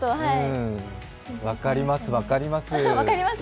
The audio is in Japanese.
分かります、分かります。